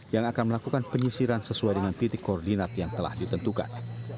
yang akan melakukan penyisiran sesuai dengan titik koordinat yang telah ditentukan